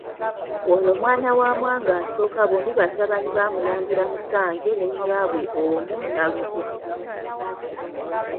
Ono mwana wa Mwanga I bombi batabani ba Mulangira Musanje ne nnyaabwe omu Nnalugwa.